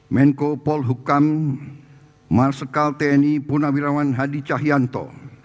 menko polhukam marsikal tni punawirawan hadi cahyanto